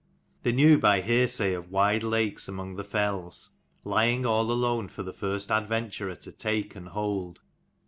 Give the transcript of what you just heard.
They knew by hearsay of wide lakes among the fells, lying all alone for the first adventurer to take and hold.